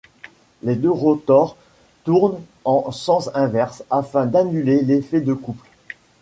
Les deux rotors tournent en sens inverse afin d'annuler l'effet de couple.